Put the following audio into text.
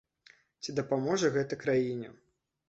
Ці дапаможа гэта краіне?